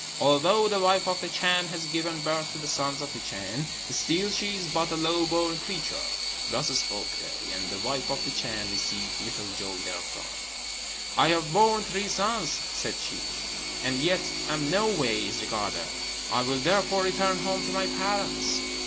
Although the wife of the Chan has given birth to the sons of the Chan, still she is but a low born creature.' Thus spoke they, and the wife of the Chan received little joy therefrom. 'I have borne three sons,' said she, 'and yet am noways regarded; I will therefore return home to my parents.'